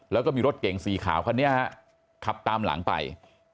แล้วก็มีรถเกล็งสีขาวมาขับตามหลังไป